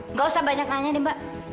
nggak usah banyak nanya nih mbak